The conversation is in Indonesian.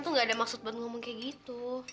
tuh gak ada maksud buat ngomong kayak gitu